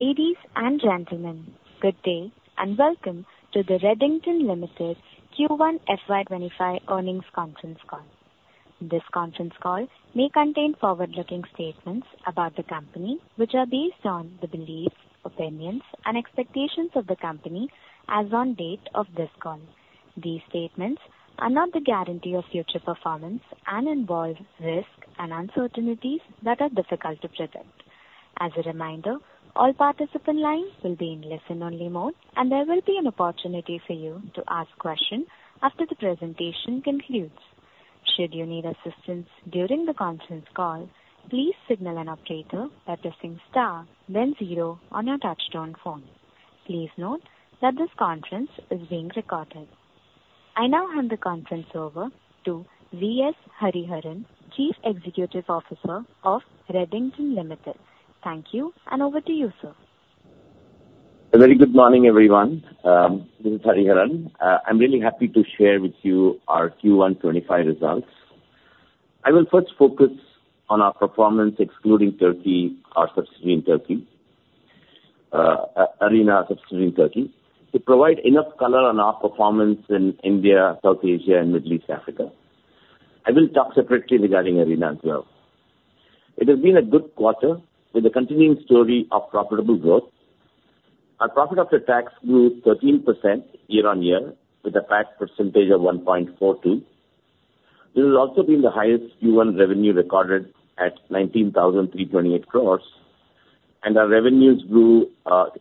Ladies and gentlemen, good day and welcome to the Redington Limited Q1 FY25 earnings conference call. This conference call may contain forward-looking statements about the company, which are based on the beliefs, opinions, and expectations of the company as of the date of this call. These statements are not the guarantee of future performance and involve risks and uncertainties that are difficult to predict. As a reminder, all participant lines will be in listen-only mode, and there will be an opportunity for you to ask questions after the presentation concludes. Should you need assistance during the conference call, please signal an operator by pressing star, then zero on your touch-tone phone. Please note that this conference is being recorded. I now hand the conference over to V.S. Hariharan, Chief Executive Officer of Redington Limited. Thank you, and over to you, sir. A very good morning, everyone. This is Hariharan. I'm really happy to share with you our Q1 FY25 results. I will first focus on our performance, excluding Turkey, our subsidiary in Turkey, Arena Subsidiary in Turkey, to provide enough color on our performance in India, South Asia, and Middle East Africa. I will talk separately regarding Arena as well. It has been a good quarter with a continuing story of profitable growth. Our profit after tax grew 13% year-on-year, with a tax percentage of 1.42. This has also been the highest Q1 revenue recorded at 19,328 crores, and our revenues grew,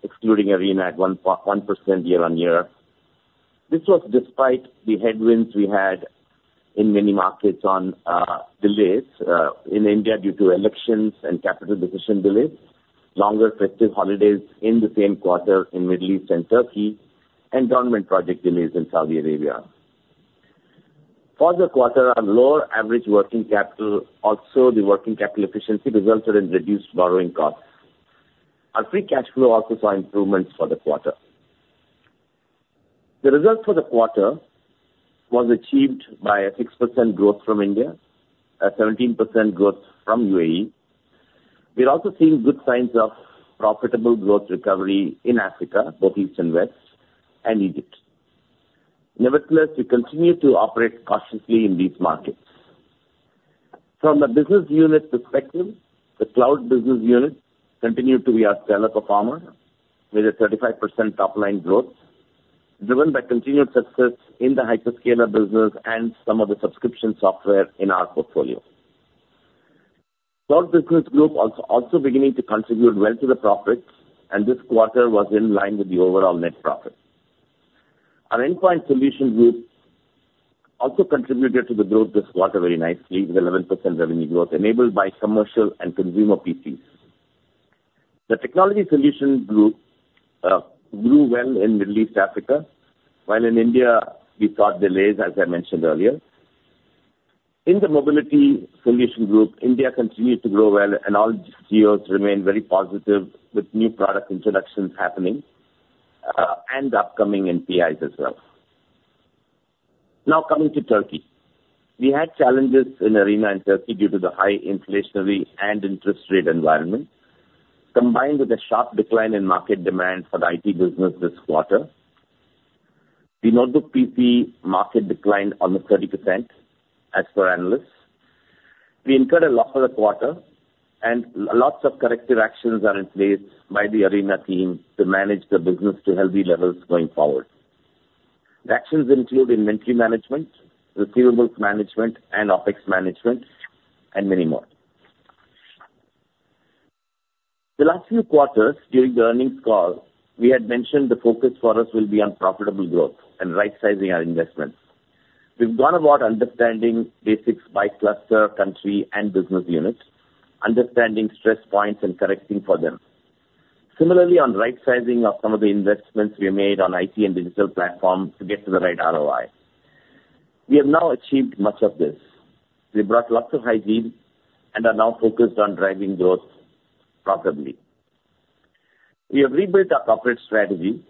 excluding Arena, at 1% year-on-year. This was despite the headwinds we had in many markets on delays in India due to elections and capital decision delays, longer festive holidays in the same quarter in Middle East and Turkey, and government project delays in Saudi Arabia. For the quarter, our lower average working capital, also the working capital efficiency, resulted in reduced borrowing costs. Our free cash flow also saw improvements for the quarter. The result for the quarter was achieved by a 6% growth from India, a 17% growth from UAE. We're also seeing good signs of profitable growth recovery in Africa, both East and West, and Egypt. Nevertheless, we continue to operate cautiously in these markets. From a business unit perspective, the Cloud Business Unit continued to be our stellar performer with a 35% top-line growth, driven by continued success in the hyperscaler business and some of the subscription software in our portfolio. Cloud Business Group is also beginning to contribute well to the profits, and this quarter was in line with the overall net profit. Our Endpoint Solutions Group also contributed to the growth this quarter very nicely with 11% revenue growth, enabled by commercial and consumer PCs. The Technology Solutions Group grew well in Middle East Africa, while in India, we saw delays, as I mentioned earlier. In the Mobility Solutions Group, India continued to grow well, and all GEOs remained very positive with new product introductions happening and upcoming NPIs as well. Now, coming to Turkey, we had challenges in Arena and Turkey due to the high inflationary and interest rate environment, combined with a sharp decline in market demand for the IT business this quarter. The notebook PC market declined almost 30% as per analysts. We incurred a loss of the quarter, and lots of corrective actions are in place by the Arena team to manage the business to healthy levels going forward. The actions include inventory management, receivables management, and OpEx management, and many more. The last few quarters during the earnings call, we had mentioned the focus for us will be on profitable growth and right-sizing our investments. We've gone about understanding basics by cluster, country, and business unit, understanding stress points, and correcting for them. Similarly, on right-sizing of some of the investments we made on IT and digital platforms to get to the right ROI. We have now achieved much of this. We brought lots of hygiene and are now focused on driving growth profitably. We have rebuilt our corporate strategy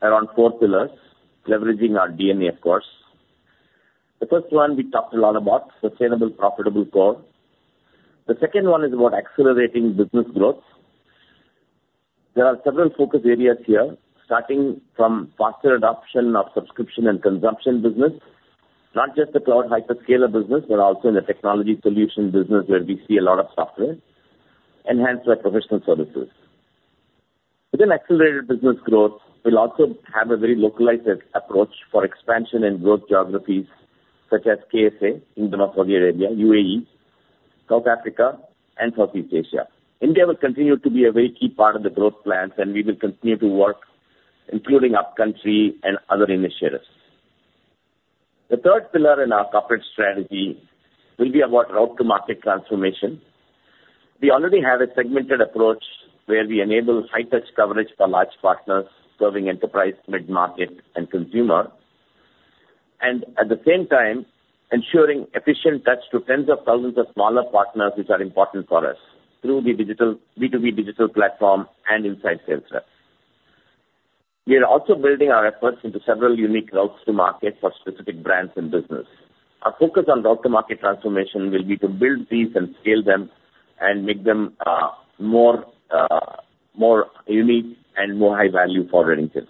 around four pillars, leveraging our DNA, of course. The first one, we talked a lot about sustainable profitable core. The second one is about accelerating business growth. There are several focus areas here, starting from faster adoption of subscription and consumption business, not just the cloud hyperscaler business, but also in the technology solution business where we see a lot of software enhanced by professional services. Within accelerated business growth, we'll also have a very localized approach for expansion in growth geographies such as KSA, Indo-Malaysian area, UAE, South Africa, and Southeast Asia. India will continue to be a very key part of the growth plans, and we will continue to work, including up-country and other initiatives. The third pillar in our corporate strategy will be about route-to-market transformation. We already have a segmented approach where we enable high-touch coverage for large partners serving enterprise, mid-market, and consumer, and at the same time, ensuring efficient touch to tens of thousands of smaller partners, which are important for us, through the B2B digital platform and inside sales reps. We are also building our efforts into several unique routes to market for specific brands and business. Our focus on route-to-market transformation will be to build these and scale them and make them more unique and more high value for Redington.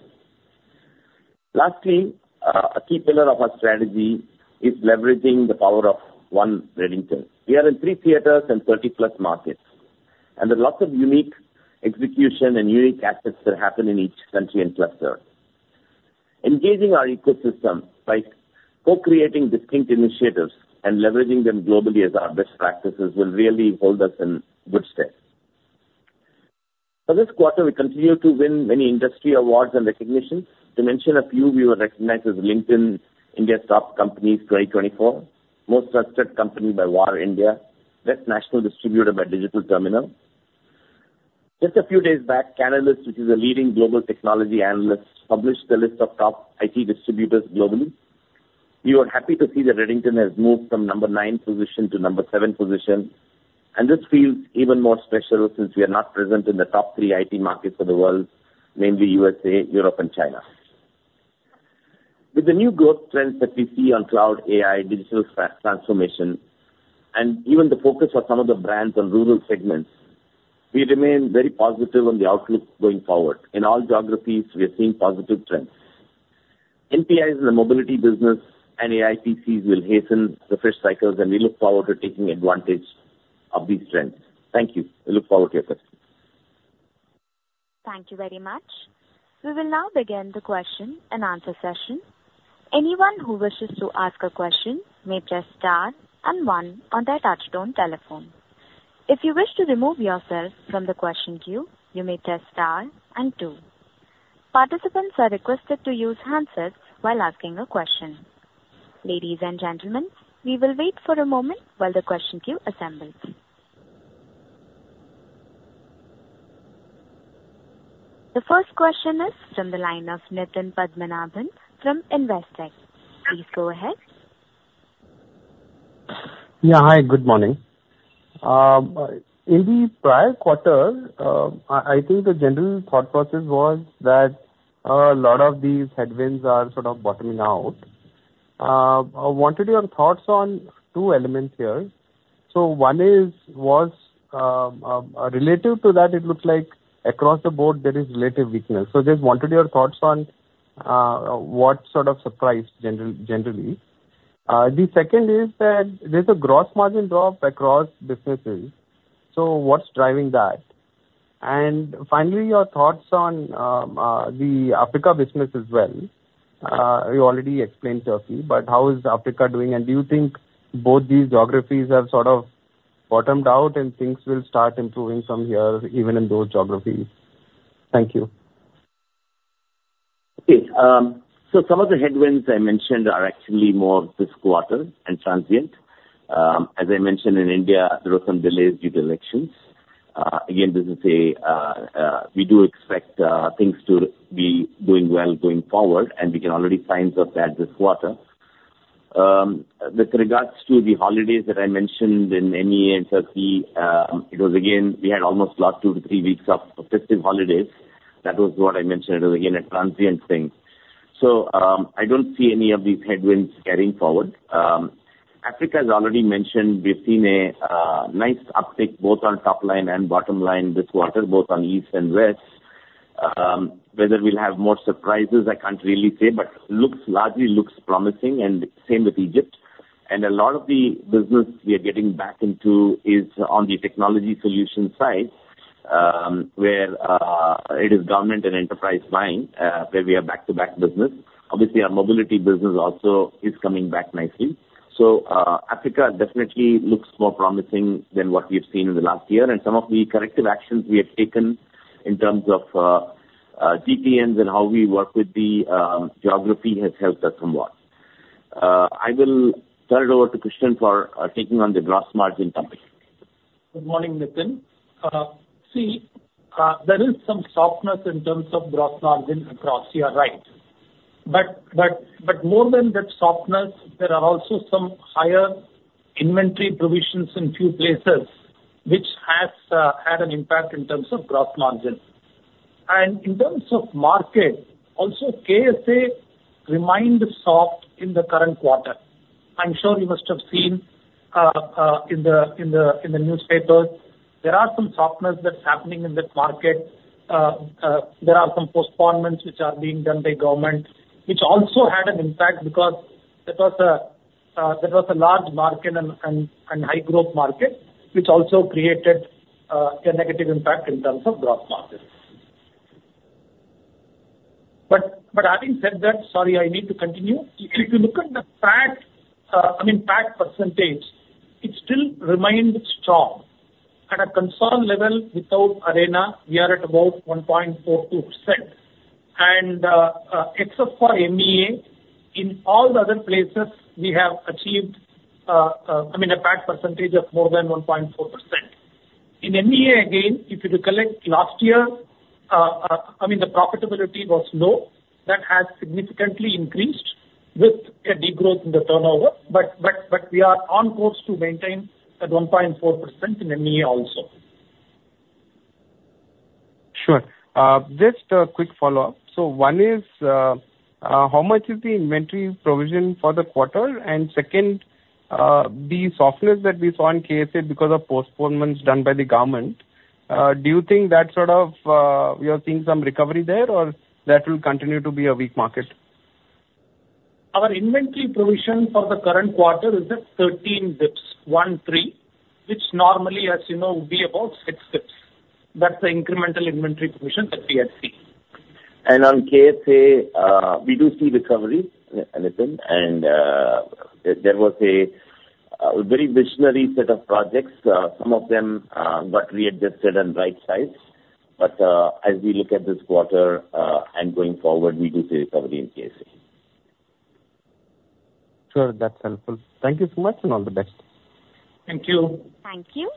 Lastly, a key pillar of our strategy is leveraging the power of one Redington. We are in three theaters and 30+ markets, and there are lots of unique executions and unique assets that happen in each country and cluster. Engaging our ecosystem by co-creating distinct initiatives and leveraging them globally as our best practices will really hold us in good stead. For this quarter, we continue to win many industry awards and recognitions. To mention a few, we were recognized as LinkedIn's India's Top Companies 2024, most trusted company by VARINDIA, best national distributor by Digital Terminal. Just a few days back, Canalys, which is a leading global technology analyst, published the list of top IT distributors globally. We were happy to see that Redington has moved from number nine position to number seven position, and this feels even more special since we are not present in the top three IT markets of the world, namely USA, Europe, and China. With the new growth trends that we see on cloud, AI, digital transformation, and even the focus of some of the brands on rural segments, we remain very positive on the outlook going forward. In all geographies, we are seeing positive trends. NPIs in the mobility business and AI PCs will hasten the refresh cycles, and we look forward to taking advantage of these trends. Thank you. We look forward to your questions. Thank you very much. We will now begin the question-and-answer session. Anyone who wishes to ask a question may press star and one on their touch-tone telephone. If you wish to remove yourself from the question queue, you may press star and two. Participants are requested to use handsets while asking a question. Ladies and gentlemen, we will wait for a moment while the question queue assembles. The first question is from the line of Nitin Padmanabhan from Investec. Please go ahead. Yeah, hi. Good morning. In the prior quarter, I think the general thought process was that a lot of these headwinds are sort of bottoming out. I wanted your thoughts on two elements here. So one is, relative to that, it looks like across the board, there is relative weakness. So just wanted your thoughts on what sort of surprised generally. The second is that there's a gross margin drop across businesses. So what's driving that? And finally, your thoughts on the Africa business as well. You already explained Turkey, but how is Africa doing? And do you think both these geographies have sort of bottomed out and things will start improving from here, even in those geographies? Thank you. Okay. So some of the headwinds I mentioned are actually more of this quarter and transient. As I mentioned, in India, there were some delays due to elections. Again, this is a—we do expect things to be doing well going forward, and we can already find of that this quarter. With regards to the holidays that I mentioned in MEA and Turkey, it was, again, we had almost lost two to three weeks of festive holidays. That was what I mentioned. It was, again, a transient thing. So I don't see any of these headwinds carrying forward. Africa, as already mentioned, we've seen a nice uptick both on top line and bottom line this quarter, both on east and west. Whether we'll have more surprises, I can't really say, but it largely looks promising, and same with Egypt. A lot of the business we are getting back into is on the technology solution side, where it is government and enterprise line, where we are back-to-back business. Obviously, our mobility business also is coming back nicely. So Africa definitely looks more promising than what we've seen in the last year. And some of the corrective actions we have taken in terms of TPNs and how we work with the geography has helped us somewhat. I will turn it over to S.V. Krishnan for taking on the gross margin topic. Good morning, Nitin. See, there is some softness in terms of gross margin across here, right? But more than that softness, there are also some higher inventory provisions in a few places, which has had an impact in terms of gross margin. And in terms of market, also KSA remained soft in the current quarter. I'm sure you must have seen in the newspapers, there are some softness that's happening in that market. There are some postponements which are being done by government, which also had an impact because that was a large market and high-growth market, which also created a negative impact in terms of gross margin. But having said that, sorry, I need to continue. If you look at the PAT, I mean, PAT percentage, it still remained strong. At a consolidated level without Arena, we are at about 1.42%. Except for MEA, in all the other places, we have achieved, I mean, a PAT percentage of more than 1.4%. In MEA, again, if you recollect last year, I mean, the profitability was low. That has significantly increased with a degrowth in the turnover, but we are on course to maintain at 1.4% in MEA also. Sure. Just a quick follow-up. So one is, how much is the inventory provision for the quarter? And second, the softness that we saw in KSA because of postponements done by the government, do you think that sort of we are seeing some recovery there, or that will continue to be a weak market? Our inventory provision for the current quarter is at 1.3 basis points, which normally, as you know, would be about 0.6 basis points. That's the incremental inventory provision that we had seen. On KSA, we do see recovery, Nitin, and there was a very visionary set of projects. Some of them got readjusted and right-sized. But as we look at this quarter and going forward, we do see recovery in KSA. Sure. That's helpful. Thank you so much and all the best. Thank you. Thank you.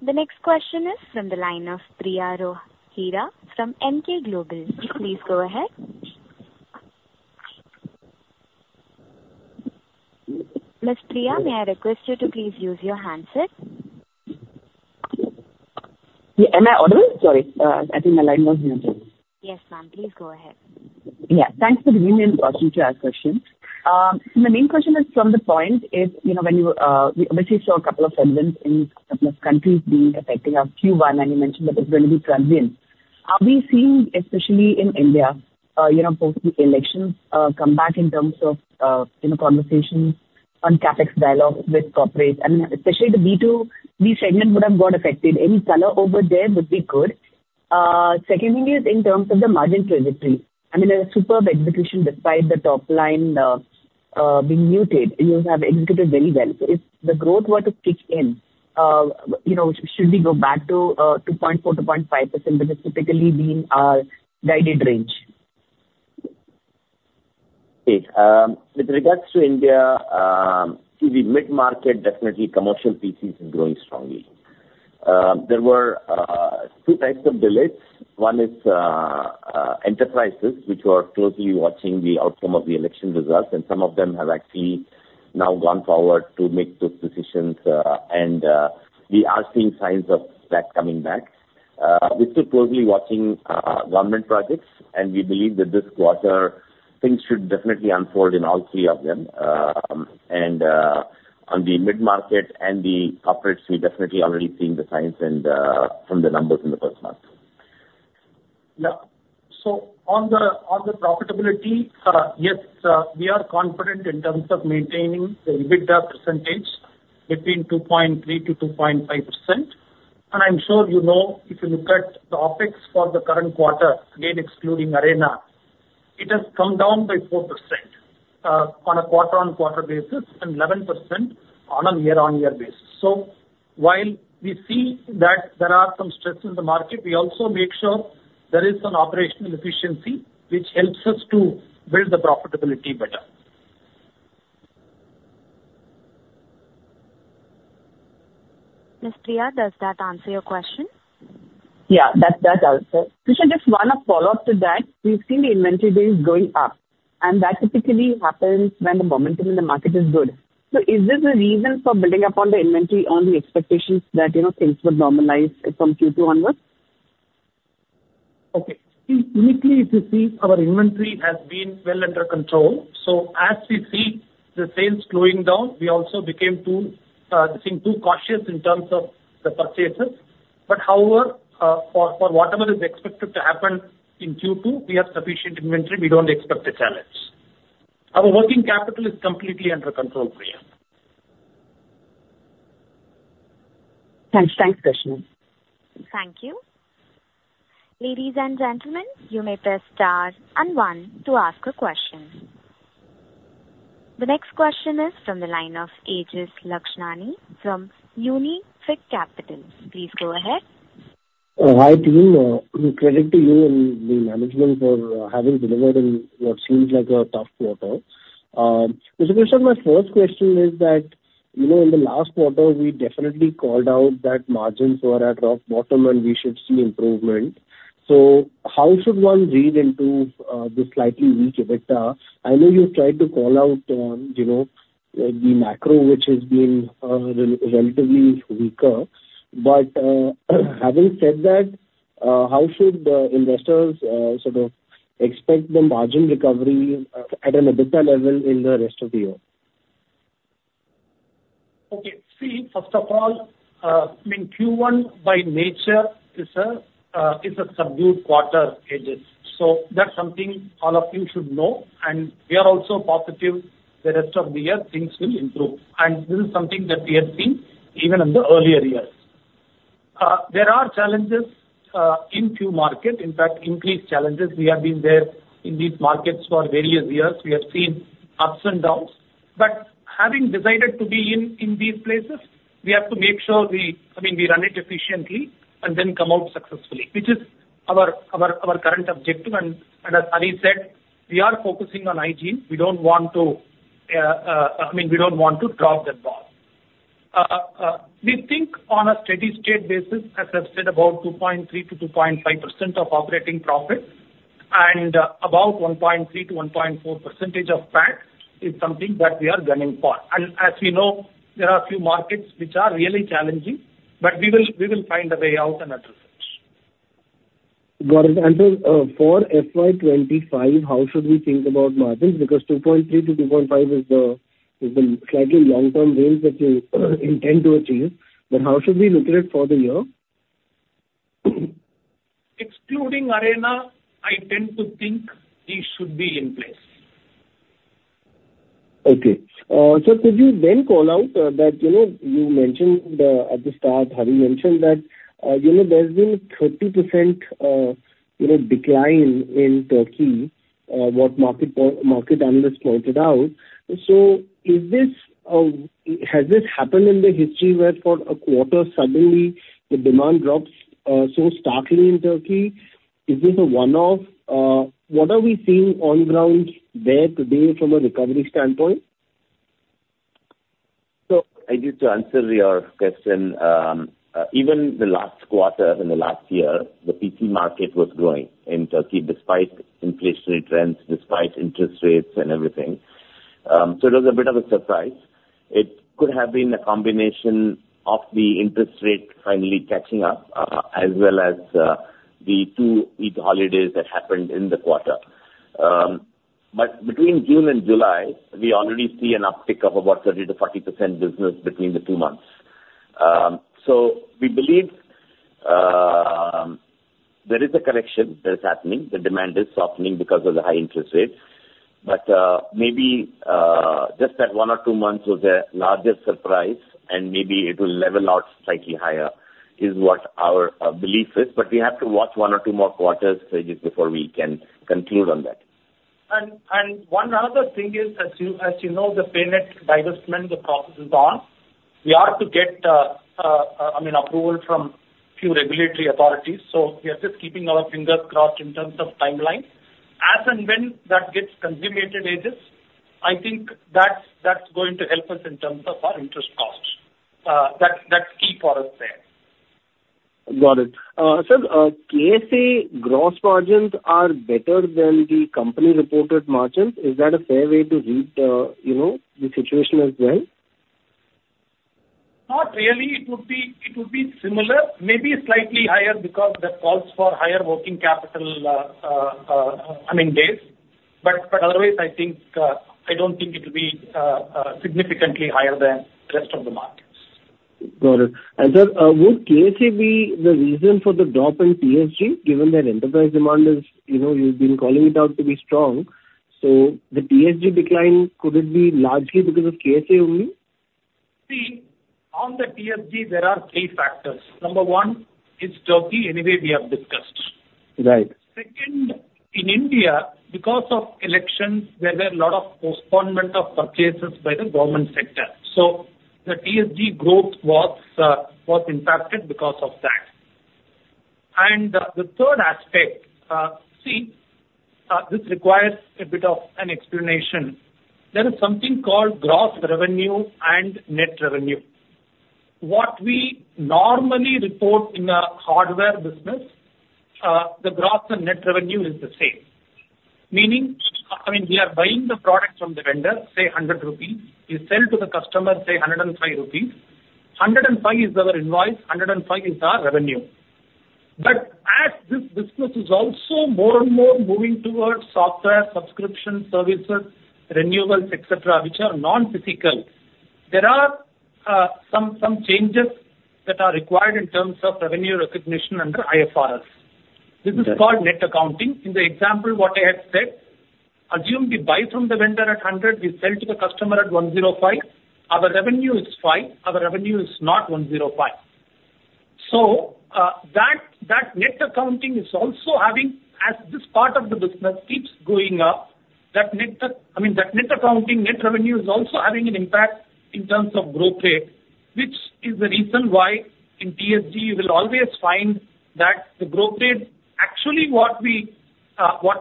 The next question is from the line of Priya Rohira from Emkay Global. Please go ahead. Ms. Priya, may I request you to please use your handset? Am I audible? Sorry. I think my line was muted. Yes, ma'am. Please go ahead. Yeah. Thanks for the opportunity to ask questions. So the main question is, from the point, is when we obviously saw a couple of headwinds in a couple of countries being affecting our Q1, and you mentioned that it's going to be transient. Are we seeing, especially in India, post-elections comeback in terms of conversations on CapEx dialogue with corporate? I mean, especially the B2B segment would have got affected. Any color over there would be good. Second thing is in terms of the margin trajectory. I mean, a superb execution despite the top line being muted. You have executed very well. If the growth were to kick in, should we go back to 2.4%-2.5%, which is typically being our guided range? Okay. With regards to India, see, the mid-market, definitely commercial PCs are growing strongly. There were two types of delays. One is enterprises, which were closely watching the outcome of the election results, and some of them have actually now gone forward to make those decisions, and we are seeing signs of that coming back. We're still closely watching government projects, and we believe that this quarter, things should definitely unfold in all three of them. On the mid-market and the corporates, we're definitely already seeing the signs from the numbers in the first month. Yeah. So on the profitability, yes, we are confident in terms of maintaining the EBITDA percentage between 2.3%-2.5%. And I'm sure you know, if you look at the OpEx for the current quarter, again, excluding Arena, it has come down by 4% on a quarter-on-quarter basis and 11% on a year-on-year basis. So while we see that there are some stresses in the market, we also make sure there is some operational efficiency, which helps us to build the profitability better. Ms. Priya, does that answer your question? Yeah, that does. S.V. Krishnan, just one follow-up to that. We've seen the inventory base going up, and that typically happens when the momentum in the market is good. So is this a reason for building upon the inventory on the expectations that things would normalize from Q2 onwards? Okay. Uniquely, if you see, our inventory has been well under control. As we see the sales slowing down, we also became too cautious in terms of the purchases. However, for whatever is expected to happen in Q2, we have sufficient inventory. We don't expect a challenge. Our working capital is completely under control, Priya. Thanks. Thanks, Krishnan. Thank you. Ladies and gentlemen, you may press star and one to ask a question. The next question is from the line of Aejas Lakhani from Unifi Capital. Please go ahead. Hi team. Credit to you and the management for having delivered in what seems like a tough quarter. Mr. Krishnan, my first question is that in the last quarter, we definitely called out that margins were at rock bottom and we should see improvement. So how should one read into the slightly weak EBITDA? I know you've tried to call out the macro, which has been relatively weaker. But having said that, how should investors sort of expect the margin recovery at an EBITDA level in the rest of the year? Okay. See, first of all, I mean, Q1 by nature is a subdued quarter, Aejas. So that's something all of you should know. And we are also positive the rest of the year things will improve. And this is something that we have seen even in the earlier years. There are challenges in these markets, in fact, increased challenges. We have been there in these markets for various years. We have seen ups and downs. But having decided to be in these places, we have to make sure we, I mean, we run it efficiently and then come out successfully, which is our current objective. And as Ali said, we are focusing on hygiene. We don't want to, I mean, we don't want to drop the ball. We think on a steady-state basis, as I've said, about 2.3%-2.5% of operating profit and about 1.3%-1.4% of PAT is something that we are gunning for. And as we know, there are a few markets which are really challenging, but we will find a way out and address it. Got it, until for FY25, how should we think about margins? Because 2.3%-2.5% is the slightly long-term range that you intend to achieve. But how should we look at it for the year? Excluding Arena, I tend to think these should be in place. Okay. So could you then call out that you mentioned at the start, Hari mentioned that there's been a 30% decline in Turkey, what market analysts pointed out? Has this happened in the history where for a quarter, suddenly the demand drops so starkly in Turkey? Is this a one-off? What are we seeing on the ground there today from a recovery standpoint? So I need to answer your question. Even the last quarter in the last year, the PC market was growing in Turkey despite inflationary trends, despite interest rates and everything. So it was a bit of a surprise. It could have been a combination of the interest rate finally catching up as well as the two-week holidays that happened in the quarter. But between June and July, we already see an uptick of about 30%-40% business between the two months. So we believe there is a correction that is happening. The demand is softening because of the high interest rates. But maybe just that one or two months was a larger surprise, and maybe it will level out slightly higher is what our belief is. But we have to watch one or two more quarters, Aejas, before we can conclude on that. One other thing is, as you know, the payment divestment, the process is on. We are to get, I mean, approval from a few regulatory authorities. So we are just keeping our fingers crossed in terms of timeline. As and when that gets consummated, Aejas, I think that's going to help us in terms of our interest costs. That's key for us there. Got it. Sir, KSA gross margins are better than the company reported margins. Is that a fair way to read the situation as well? Not really. It would be similar, maybe slightly higher because that calls for higher working capital, I mean, days. But otherwise, I don't think it will be significantly higher than the rest of the markets. Got it. And sir, would KSA be the reason for the drop in TSG, given that enterprise demand is you've been calling it out to be strong? So the TSG decline, could it be largely because of KSA only? See, on the TSG, there are three factors. Number one, it's Turkey, anyway we have discussed. Right. Second, in India, because of elections, there were a lot of postponement of purchases by the government sector. So the TSG growth was impacted because of that. And the third aspect, see, this requires a bit of an explanation. There is something called gross revenue and net revenue. What we normally report in the hardware business, the gross and net revenue is the same. Meaning, I mean, we are buying the product from the vendor, say, 100 rupees. We sell to the customer, say, 105 rupees. 105 is our invoice. 105 is our revenue. But as this business is also more and more moving towards software subscription services, renewables, etc., which are non-physical, there are some changes that are required in terms of revenue recognition under IFRS. This is called net accounting. In the example, what I had said, assume we buy from the vendor at 100, we sell to the customer at 105, our revenue is fine, our revenue is not 105. So that net accounting is also having, as this part of the business keeps going up, that net accounting, net revenue is also having an impact in terms of growth rate, which is the reason why in TSG, you will always find that the growth rate, actually, what we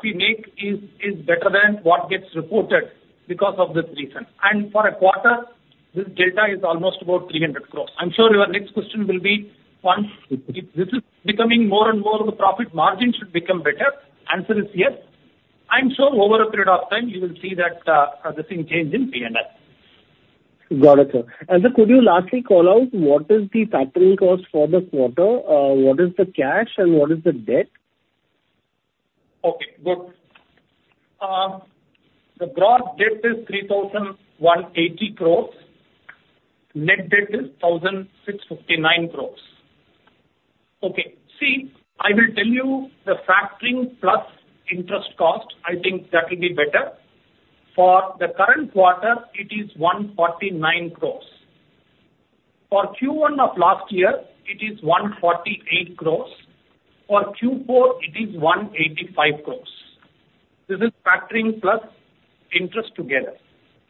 make is better than what gets reported because of this reason. And for a quarter, this delta is almost about 300 crore. I'm sure your next question will be once this is becoming more and more, the profit margin should become better. Answer is yes. I'm sure over a period of time, you will see that there's a change in P&L. Got it, sir. Sir, could you lastly call out what is the factoring cost for the quarter? What is the cash and what is the debt? Okay. Good. The gross debt is 3,180. Net debt is 1,659. Okay. See, I will tell you the factoring plus interest cost. I think that will be better. For the current quarter, it is 149. For Q1 of last year, it is 148. For Q4, it is 185. This is factoring plus interest together.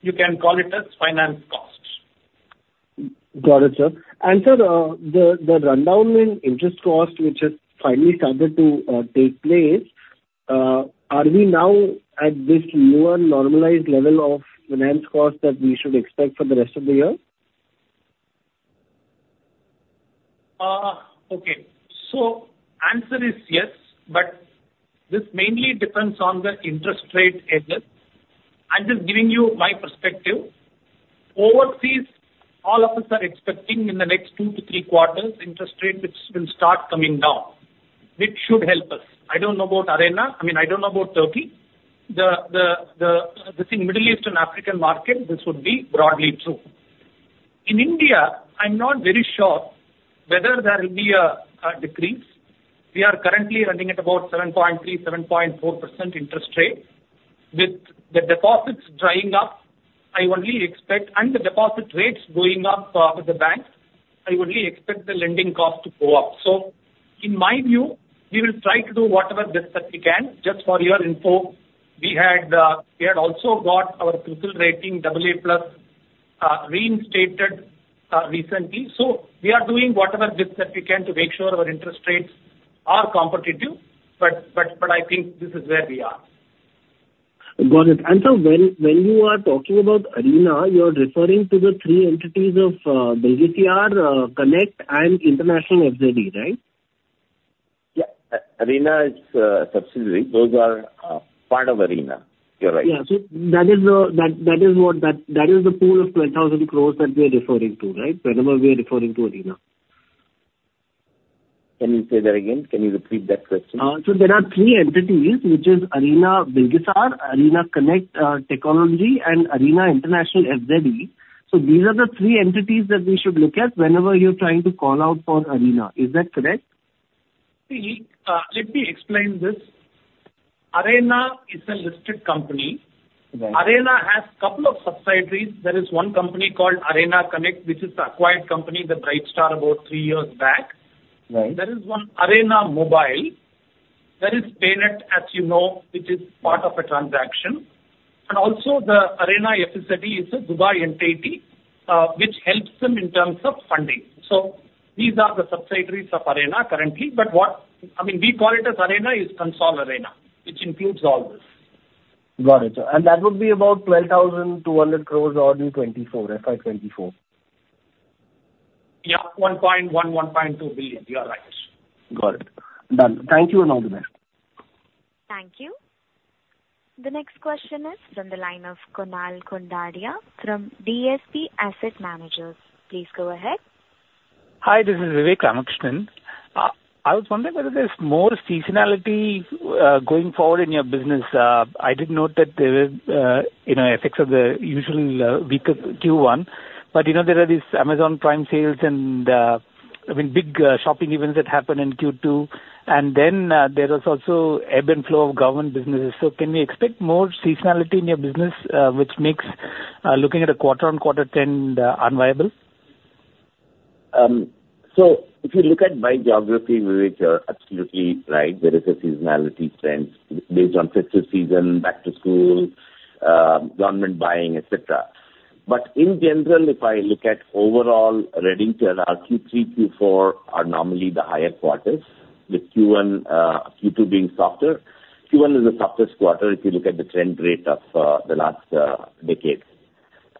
You can call it as finance cost. Got it, sir. And sir, the reduction in interest cost, which has finally started to take place, are we now at this new normalized level of finance cost that we should expect for the rest of the year? Okay. So answer is yes, but this mainly depends on the interest rate, Aejas. I'm just giving you my perspective. Overseas, all of us are expecting in the next two to three quarters, interest rates will start coming down, which should help us. I don't know about Arena. I mean, I don't know about Turkey. The Middle East and African market, this would be broadly true. In India, I'm not very sure whether there will be a decrease. We are currently running at about 7.3%-7.4% interest rate. With the deposits drying up, I only expect, and the deposit rates going up with the banks, I only expect the lending cost to go up. So in my view, we will try to do whatever best that we can. Just for your info, we had also got our CRISIL rating, AA+, reinstated recently. We are doing whatever best that we can to make sure our interest rates are competitive. I think this is where we are. Got it. And sir, when you are talking about Arena, you're referring to the three entities of Arena Connect and International FZE, right? Yeah. Arena is a subsidiary. Those are part of Arena. You're right. Yeah. So that is what that is the pool of 12,000 that we are referring to, right? Whenever we are referring to Arena. Can you say that again? Can you repeat that question? So there are three entities, which are Arena Bilgisayar, Arena Connect Teknoloji, and Arena International FZE. So these are the three entities that we should look at whenever you're trying to call out for Arena. Is that correct? See, let me explain this. Arena is a listed company. Arena has a couple of subsidiaries. There is one company called Arena Connect, which is an acquired company, the Brightstar about three years back. There is one Arena Mobile. There is Paynet, as you know, which is part of a transaction. And also, the Arena FZE is a Dubai entity, which helps them in terms of funding. So these are the subsidiaries of Arena currently. But what, I mean, we call it as Arena is consolidated Arena, which includes all this. Got it. That would be about 12,200 crores in 2024, FY24. 1.1 billion-1.2 billion. You're right. Got it. Done. Thank you and all the best. Thank you. The next question is from the line of Kunal Khudania from DSP Asset Managers. Please go ahead. Hi, this is Vivek Ramakrishnan. I was wondering whether there's more seasonality going forward in your business. I did note that there were effects of the usual weaker Q1. But there are these Amazon Prime sales and, I mean, big shopping events that happen in Q2. And then there was also ebb and flow of government businesses. So can we expect more seasonality in your business, which makes looking at a quarter-on-quarter trend unviable? So if you look at my geography, Vivek, you're absolutely right. There is a seasonality trend based on fiscal season, back to school, government buying, etc. But in general, if I look at overall Redington turnover, Q3, Q4 are normally the higher quarters, with Q1, Q2 being softer. Q1 is the softest quarter if you look at the trend rate of the last decade.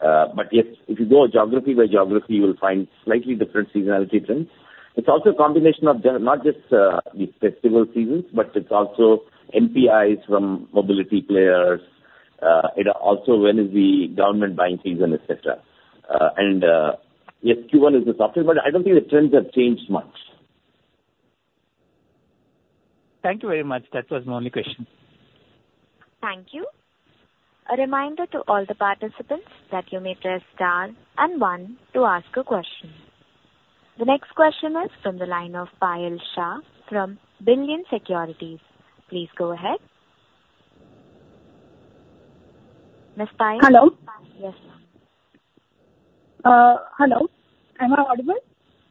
But if you go geography by geography, you will find slightly different seasonality trends. It's also a combination of not just the festival seasons, but it's also NPIs from mobility players. It also when is the government buying season, etc. And yes, Q1 is the softest, but I don't think the trends have changed much. Thank you very much. That was my only question. Thank you. A reminder to all the participants that you may press star and one to ask a question. The next question is from the line of Payal Shah from B&K Securities. Please go ahead. Ms. Payal? Hello. Yes, ma'am. Hello. Am I audible?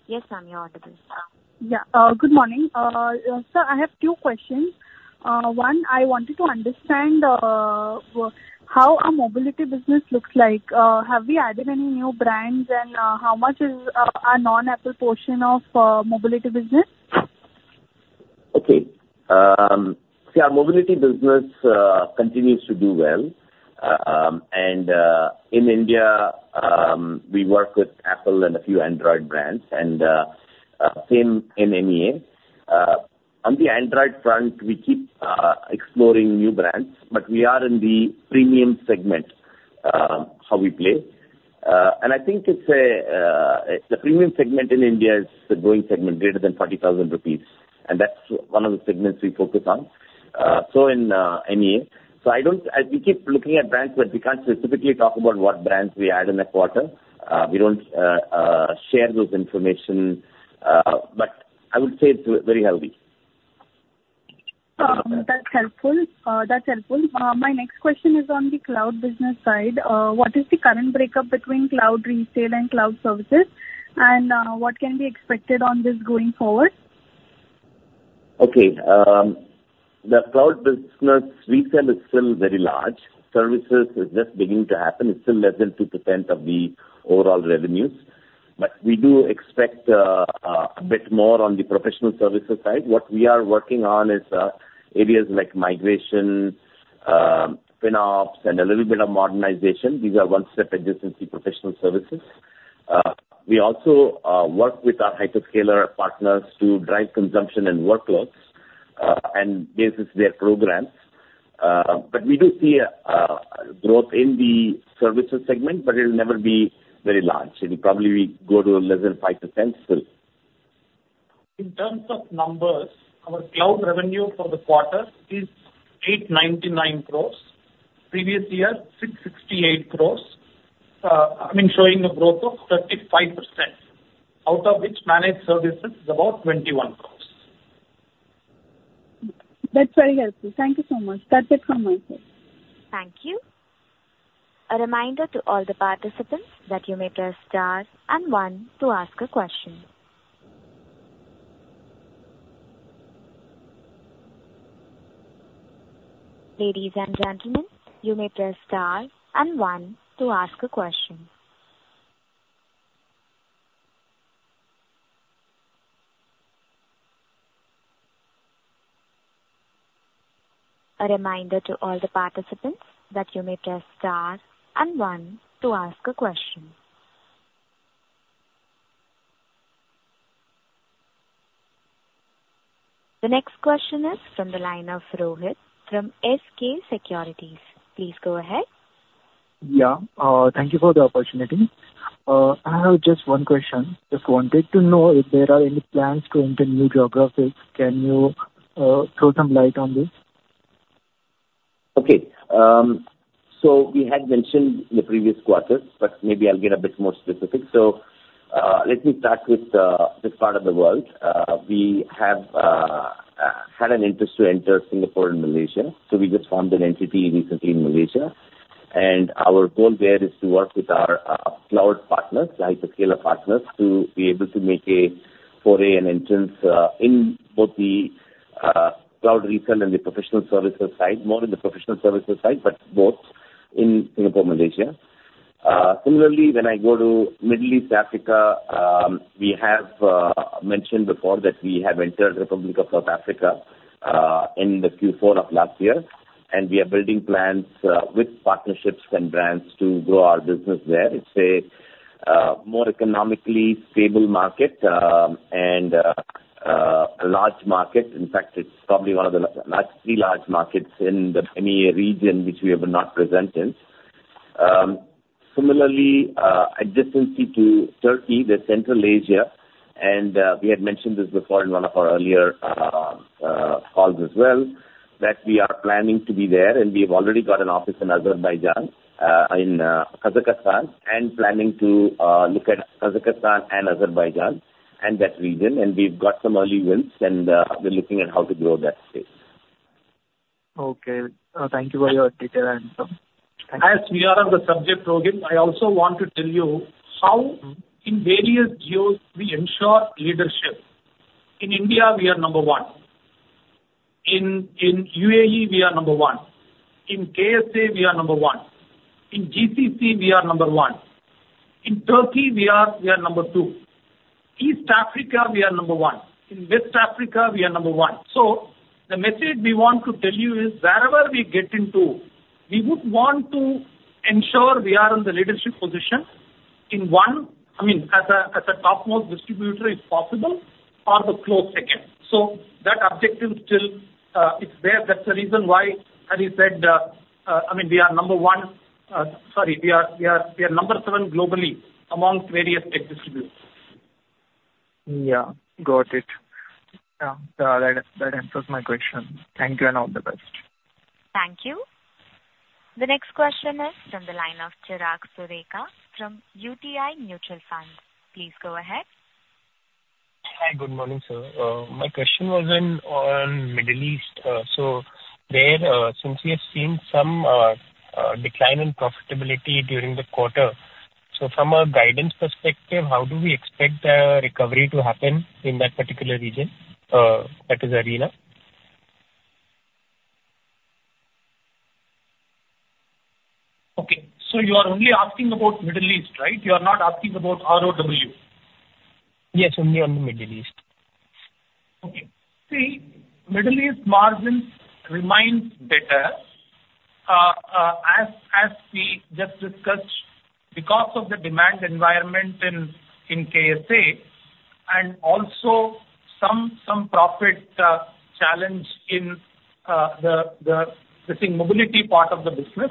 Yes, ma'am, you're audible. Yeah. Good morning. Sir, I have two questions. One, I wanted to understand how our mobility business looks like. Have we added any new brands, and how much is our non-Apple portion of mobility business? Okay. See, our mobility business continues to do well. In India, we work with Apple and a few Android brands, and same in MEA. On the Android front, we keep exploring new brands, but we are in the premium segment, how we play. I think it's a premium segment in India is the growing segment, greater than 40,000 rupees. That's one of the segments we focus on. So in MEA, so we keep looking at brands, but we can't specifically talk about what brands we add in a quarter. We don't share those information. I would say it's very healthy. That's helpful. That's helpful. My next question is on the cloud business side. What is the current breakup between cloud retail and cloud services, and what can be expected on this going forward? Okay. The cloud business retail is still very large. Services is just beginning to happen. It's still less than 2% of the overall revenues. But we do expect a bit more on the professional services side. What we are working on is areas like migration, spin-offs, and a little bit of modernization. These are one-step existence in professional services. We also work with our hyperscaler partners to drive consumption and workloads and based on their programs. But we do see a growth in the services segment, but it'll never be very large. It'll probably go to less than 5% still. In terms of numbers, our cloud revenue for the quarter is 899. Previous year, 668, I mean, showing a growth of 35%, out of which managed services is about 21. That's very helpful. Thank you so much. That's it from my side. Thank you. A reminder to all the participants that you may press star and one to ask a question. Ladies and gentlemen, you may press star and one to ask a question. A reminder to all the participants that you may press star and one to ask a question. The next question is from the line of Rohit from ASK Securities. Please go ahead. Yeah. Thank you for the opportunity. I have just one question. Just wanted to know if there are any plans to enter new geographies. Can you throw some light on this? Okay. So we had mentioned in the previous quarters, but maybe I'll get a bit more specific. So let me start with this part of the world. We have had an interest to enter Singapore and Malaysia. So we just formed an entity recently in Malaysia. And our goal there is to work with our cloud partners, hyperscaler partners, to be able to make a foray and entrance in both the cloud retail and the professional services side, more in the professional services side, but both in Singapore, Malaysia. Similarly, when I go to Middle East, Africa, we have mentioned before that we have entered Republic of South Africa in the Q4 of last year. And we are building plans with partnerships and brands to grow our business there. It's a more economically stable market and a large market. In fact, it's probably one of the three large markets in the MEA region, which we have not presented. Similarly, expansion to Turkey, the Central Asia. We had mentioned this before in one of our earlier calls as well, that we are planning to be there. We have already got an office in Azerbaijan, in Kazakhstan, and planning to look at Kazakhstan and Azerbaijan and that region. We've got some early wins, and we're looking at how to grow that space. Okay. Thank you for your detailed answer. As we are on the subject program, I also want to tell you how in various geos, we ensure leadership. In India, we are number one. In UAE, we are number one. In KSA, we are number one. In GCC, we are number one. In Turkey, we are number two. East Africa, we are number one. In West Africa, we are number one. So the message we want to tell you is wherever we get into, we would want to ensure we are in the leadership position in one, I mean, as a top-most distributor if possible, or the close second. So that objective still is there. That's the reason why I said, I mean, we are number one sorry, we are number seven globally among various tech distributors. Yeah. Got it. Yeah. That answers my question. Thank you and all the best. Thank you. The next question is from the line of Chirag Sureka from UTI Mutual Fund. Please go ahead. Hi. Good morning, sir. My question was on Middle East. So there, since we have seen some decline in profitability during the quarter, so from a guidance perspective, how do we expect the recovery to happen in that particular region, that is Arena? Okay. So you are only asking about Middle East, right? You are not asking about ROW? Yes. Only on the Middle East. Okay. See, Middle East margins remain better as we just discussed because of the demand environment in KSA and also some profit challenge in the, I think, mobility part of the business.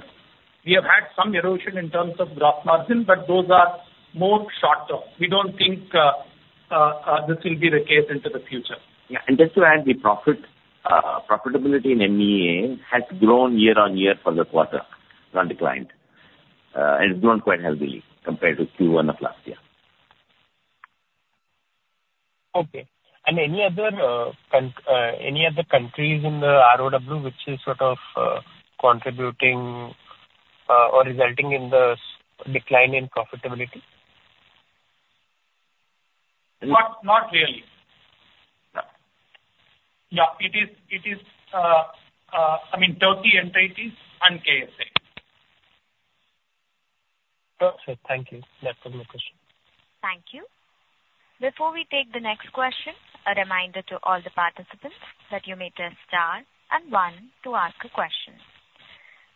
We have had some erosion in terms of Gross Margin, but those are more short-term. We don't think this will be the case into the future. Yeah. Just to add, the profitability in MEA has grown year-on-year for the quarter, not declined. It's grown quite heavily compared to Q1 of last year. Okay. Any other countries in the ROW which is sort of contributing or resulting in the decline in profitability? Not really. Yeah. It is, I mean, Turkey entities and KSA. Okay. Thank you. That was my question. Thank you. Before we take the next question, a reminder to all the participants that you may press star and one to ask a question.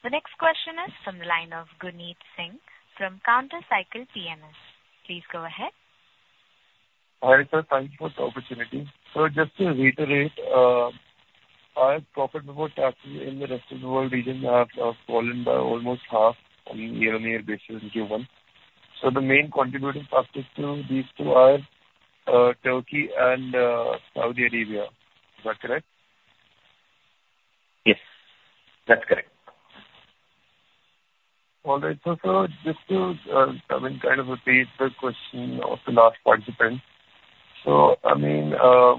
The next question is from the line of Gunit Singh from Counter Cyclical Investment. Please go ahead. Hi Ritha. Thank you for the opportunity. So just to reiterate, our profitable capital in the rest of the world region has fallen by almost half on a year-on-year basis in Q1. So the main contributing factors to these two are Turkey and Saudi Arabia. Is that correct? Yes. That's correct. All right. So sir, just to, I mean, kind of repeat the question of the last participant. So, I mean,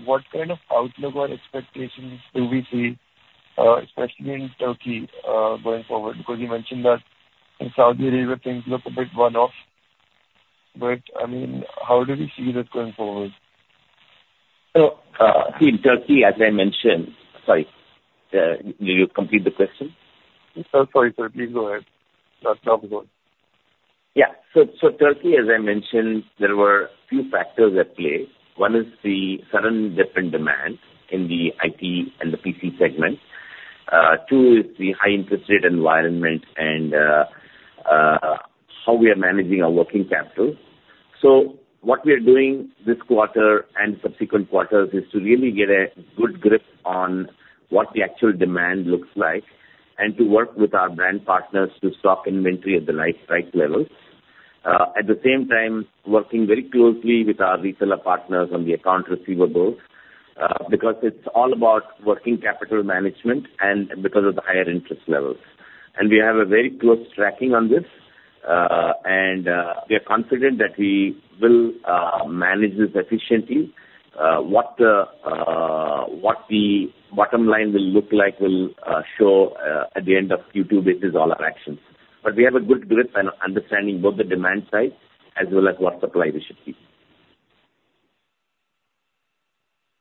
what kind of outlook or expectations do we see, especially in Turkey going forward? Because you mentioned that in Saudi Arabia, things look a bit one-off. But, I mean, how do we see this going forward? See, in Turkey, as I mentioned. Sorry, did you complete the question? Sorry, sir. Please go ahead. That's not good. Yeah. So Turkey, as I mentioned, there were a few factors at play. One is the sudden dip in demand in the IT and the PC segment. Two is the high-interest rate environment and how we are managing our working capital. So what we are doing this quarter and subsequent quarters is to really get a good grip on what the actual demand looks like and to work with our brand partners to stock inventory at the right level. At the same time, working very closely with our retailer partners on the accounts receivable because it's all about working capital management and because of the higher interest levels. And we have a very close tracking on this. And we are confident that we will manage this efficiently. What the bottom line will look like will show at the end of Q2, which is all our actions. We have a good grip on understanding both the demand side as well as what supply we should keep.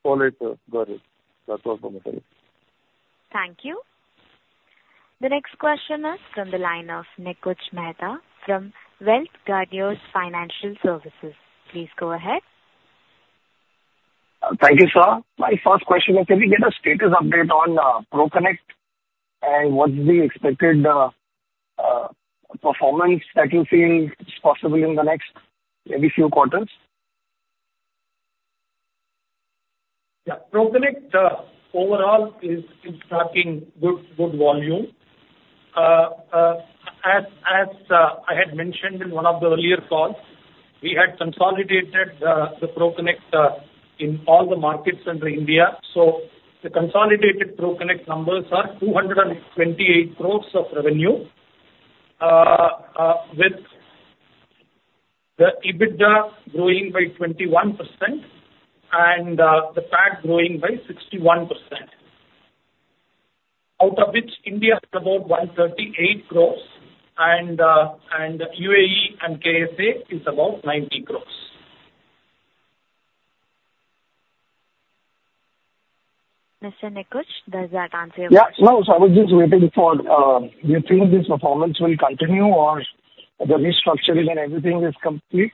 All right, sir. Got it. That was my message. Thank you. The next question is from the line of Nikunj Mehta from Wealth Guardians Financial Services. Please go ahead. Thank you, sir. My first question is, can we get a status update on ProConnect and what's the expected performance that you feel is possible in the next maybe few quarters? Yeah. ProConnect overall is tracking good volume. As I had mentioned in one of the earlier calls, we had consolidated the ProConnect in all the markets under India. So the consolidated ProConnect numbers are 228 crore of revenue with the EBITDA growing by 21% and the PAT growing by 61%, out of which India is about 138 crore and UAE and KSA is about 90 crore. Mr. Nikunj, does that answer your question? Yeah. No, sir. I was just waiting for do you think this performance will continue or the restructuring and everything is complete?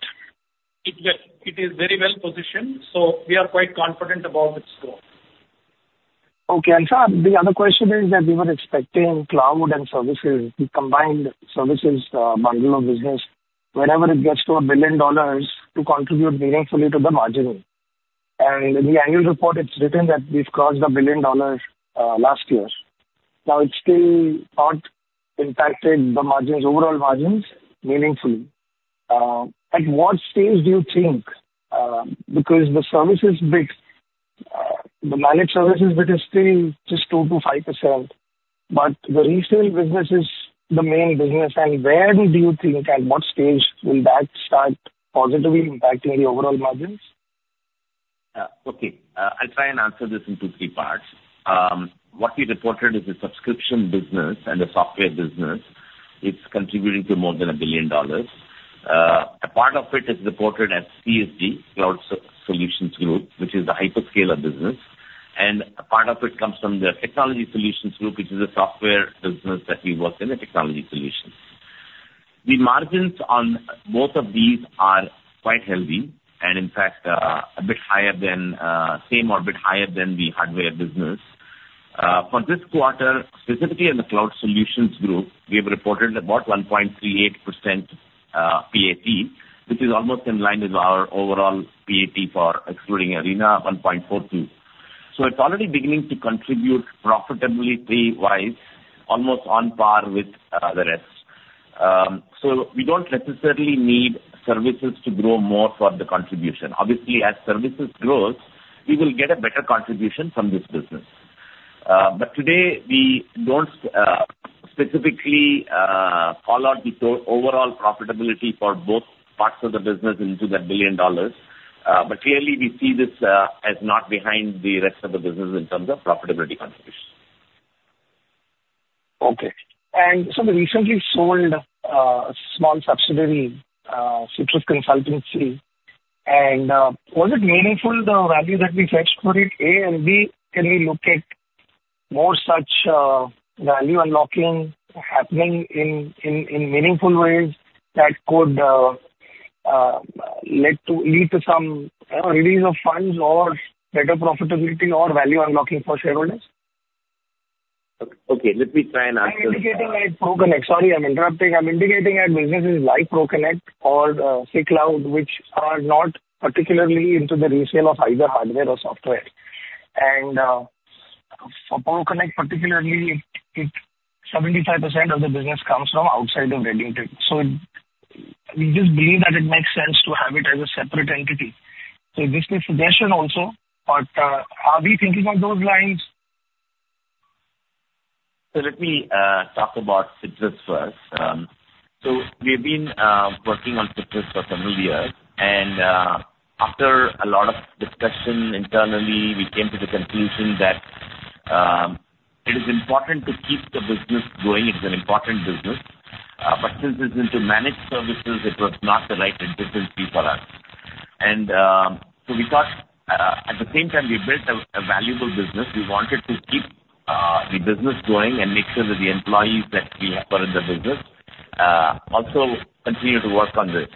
It is very well positioned. So we are quite confident about its growth. Okay. And sir, the other question is that we were expecting cloud and services, the combined services bundle of business, whenever it gets to $1 billion, to contribute meaningfully to the margin. And in the annual report, it's written that we've crossed $1 billion last year. Now, it still not impacted the margins, overall margins, meaningfully. At what stage do you think because the services bit, the managed services bit is still just 2%-5%, but the retail business is the main business. And where do you think at what stage will that start positively impacting the overall margins? Okay. I'll try and answer this in two, three parts. What we reported is a subscription business and a software business. It's contributing to more than $1 billion. A part of it is reported as CSG, Cloud Solutions Group, which is the hyperscaler business. And a part of it comes from the Technology Solutions Group, which is a software business that we work in, a technology solution. The margins on both of these are quite heavy and, in fact, a bit higher than same or a bit higher than the hardware business. For this quarter, specifically in the Cloud Solutions Group, we have reported about 1.38% PAT, which is almost in line with our overall PAT for excluding Arena, 1.42. So it's already beginning to contribute profitably pay-wise, almost on par with the rest. So we don't necessarily need services to grow more for the contribution. Obviously, as services grow, we will get a better contribution from this business. Today, we don't specifically call out the overall profitability for both parts of the business into that $1 billion. Clearly, we see this as not behind the rest of the business in terms of profitability contribution. Okay. And sir, we recently sold a small subsidiary, Citrus Consulting Services. And was it meaningful, the value that we fetched for it? A, and B, can we look at more such value unlocking happening in meaningful ways that could lead to some release of funds or better profitability or value unlocking for shareholders? Okay. Let me try and answer this. I'm indicating at ProConnect, sorry, I'm interrupting. I'm indicating at businesses like ProConnect or CSG Cloud, which are not particularly into the resale of either hardware or software. And for ProConnect particularly, 75% of the business comes from outside of Redington. So we just believe that it makes sense to have it as a separate entity. So this is a suggestion also. But are we thinking on those lines? Let me talk about Citrus first. We have been working on Citrus for several years. After a lot of discussion internally, we came to the conclusion that it is important to keep the business going. It is an important business. Since it's into managed services, it was not the right entity for us. We thought, at the same time, we built a valuable business. We wanted to keep the business going and make sure that the employees that we have in the business also continue to work on this.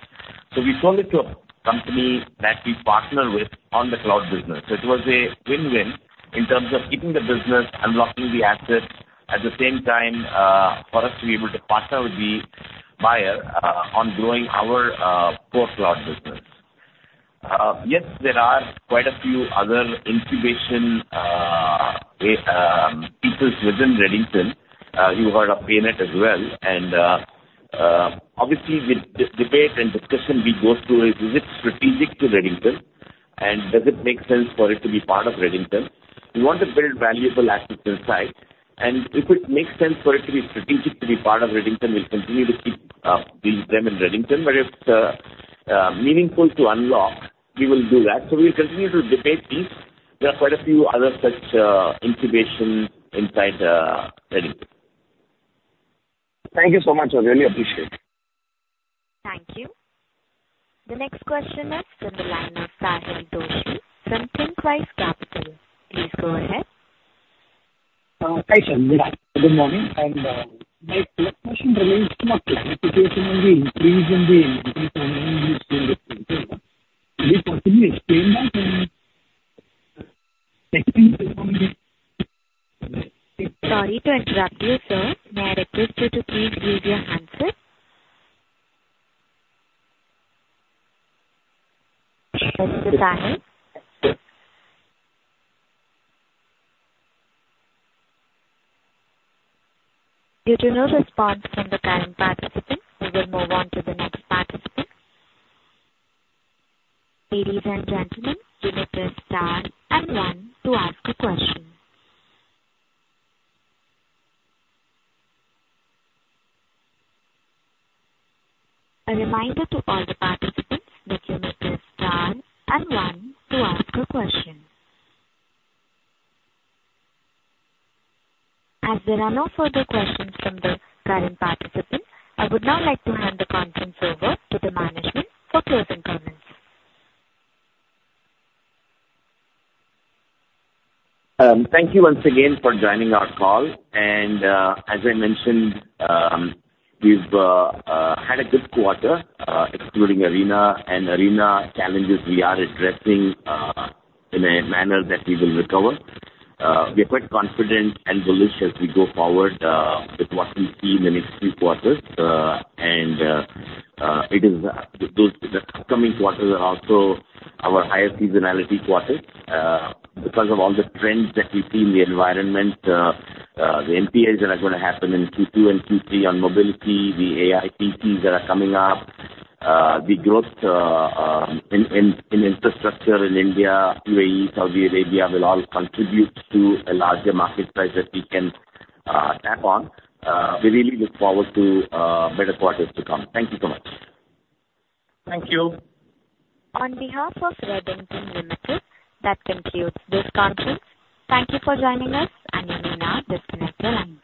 We sold it to a company that we partner with on the cloud business. It was a win-win in terms of keeping the business, unlocking the assets, at the same time for us to be able to partner with the buyer on growing our core cloud business. Yes, there are quite a few other incubation pieces within Redington. You heard of PayNet as well. And obviously, the debate and discussion we go through is, is it strategic to Redington? And does it make sense for it to be part of Redington? We want to build valuable assets inside. And if it makes sense for it to be strategic to be part of Redington, we'll continue to keep them in Redington. But if it's meaningful to unlock, we will do that. So we'll continue to debate these. There are quite a few other such incubations inside Redington. Thank you so much. I really appreciate it. Thank you. The next question is from the line of Sahil Doshi from Thinqwise Capital. Please go ahead. Hi sir. Good morning. My question relates to the situation on the increase in the inventory on the industry in Redington. Could you possibly explain that? Sorry to interrupt you, sir. May I request you to please use your handset. Thank you, Sahil. Due to no response from the current participant, we will move on to the next participant. Ladies and gentlemen, you may press star and one to ask a question. A reminder to all the participants that you may press star and one to ask a question. As there are no further questions from the current participants, I would now like to hand the conference over to the management for closing comments. Thank you once again for joining our call. As I mentioned, we've had a good quarter excluding Arena. Arena challenges we are addressing in a manner that we will recover. We are quite confident and bullish as we go forward with what we see in the next few quarters. The upcoming quarters are also our higher seasonality quarters because of all the trends that we see in the environment, the MPAs that are going to happen in Q2 and Q3 on mobility, the AI PCs that are coming up, the growth in infrastructure in India, UAE, Saudi Arabia will all contribute to a larger market size that we can tap on. We really look forward to better quarters to come. Thank you so much. Thank you. On behalf of Redington Limited, that concludes this conference. Thank you for joining us, and you may now disconnect the lines.